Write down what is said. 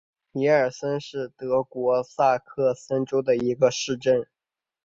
米尔森是德国萨克森州的一个市镇。